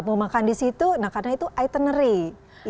mau makan di situ nah karena itu itinery